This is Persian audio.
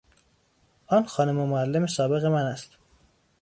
آن خانم معلم سابق من است.